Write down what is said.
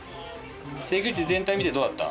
セキグチ全体見てどうだった？